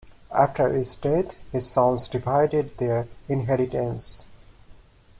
After his death, his sons divided their inheritance.